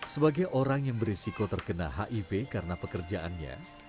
sebagai orang yang berisiko terkena hiv karena pekerjaannya